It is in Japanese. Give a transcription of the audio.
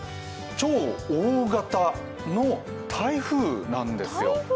超大型の台風なんですよ。